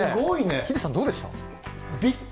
ヒデさん、どうでした？